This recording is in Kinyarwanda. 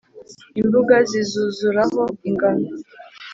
Imbuga zizuzuraho ingano,